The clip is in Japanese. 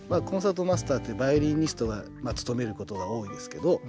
コンサートマスターってバイオリニストが務めることが多いですけど